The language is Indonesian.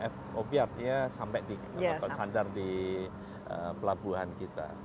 fob nya sampai di sandar di pelabuhan kita